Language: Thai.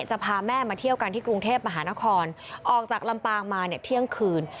จะพาแม่มาเที่ยวกันที่กรุงเทพมหานครออกจากลำปางมาเนี่ยเที่ยงคืน